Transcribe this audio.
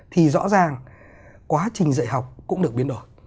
thì rõ ràng quá trình dạy học cũng được biến đổi